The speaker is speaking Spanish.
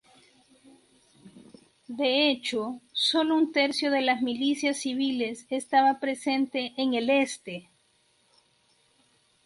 De hecho, sólo un tercio de las milicias civiles estaba presente en el Este.